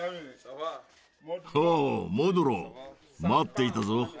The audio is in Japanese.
おおモドゥロー待っていたぞ。